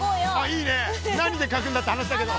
いいねえ何で書くんだって話だけど。